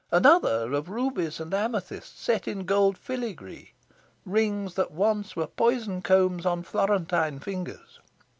Another, of rubies and amethysts, set in gold filigree. Rings that once were poison combs on Florentine fingers.